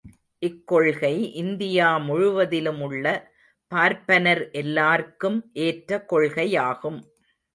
இக்கொள்கை India முழுவதிலுமுள்ள பார்ப்பனர் எல்லார்க்கும் ஏற்ற கொள்கையாகும்.